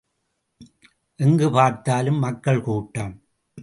எங்குப் பார்த்தாலும் மக்கள் கூட்டம்.